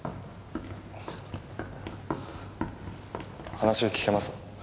話を聞けます？